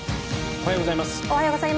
おはようございます。